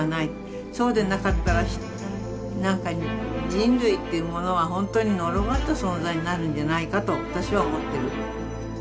そうでなかったら何か人類というものは本当に呪われた存在になるんじゃないかと私は思ってる。